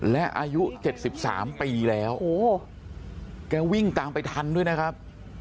และอายุ๗๓ปีแล้วแกวิ่งตามไปทันด้วยนะครับ